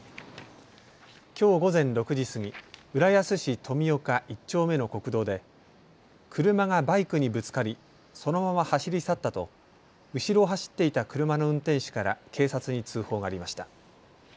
きょう午前６時過ぎ、浦安市富岡１丁目の国道で車がバイクにぶつかりそのまま走り去ったと後ろを走っていた車の運転手から警察に通報がありました。